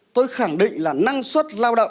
tôi khẳng định là năng suất lao động